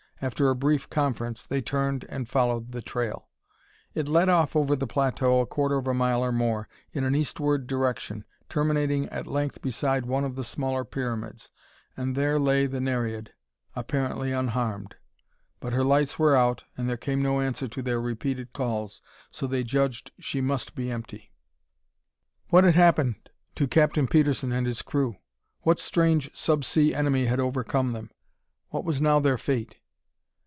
After a brief conference, they turned and followed the trail. It led off over the plateau a quarter mile or more, in an eastward direction, terminating at length beside one of the smaller pyramids and there lay the Nereid, apparently unharmed. But her lights were out and there came no answer to their repeated calls, so they judged she must be empty. What had happened to Captain Petersen and his crew? What strange sub sea enemy had overcome them? What was now their fate?